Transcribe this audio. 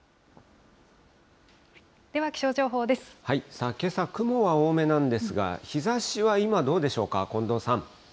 さあ、けさ、雲は多めなんですが、日ざしは今、どうでしょうか。